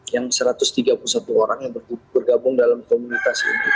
yang satu ratus tiga puluh satu orang yang bergabung dalam komunitas ini